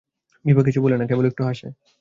বিভা কিছু বলে না, কেবল একটু হাসে।